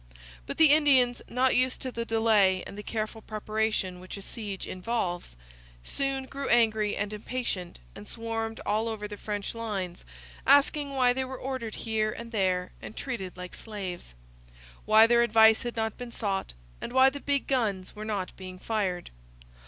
But the Indians, not used to the delay and the careful preparation which a siege involves, soon grew angry and impatient, and swarmed all over the French lines, asking why they were ordered here and there and treated like slaves, why their advice had not been sought, and why the big guns were not being fired.